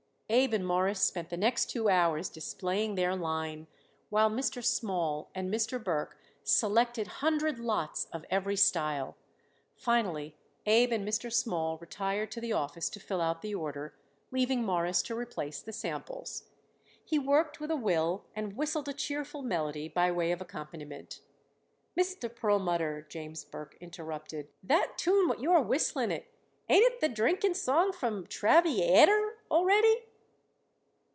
Abe and Morris spent the next two hours displaying their line, while Mr. Small and Mr. Burke selected hundred lots of every style. Finally, Abe and Mr. Small retired to the office to fill out the order, leaving Morris to replace the samples. He worked with a will and whistled a cheerful melody by way of accompaniment. "Mister Perlmutter," James Burke interrupted, "that tune what you are whistling it, ain't that the drinking song from Travvy ater already?"